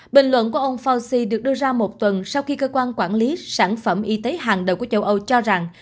bình luận của ông fauci được đưa ra một tuần sau khi cơ quan quản lý sản phẩm y tế hàng đầu của châu âu cho rằng